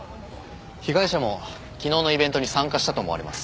被害者も昨日のイベントに参加したと思われます。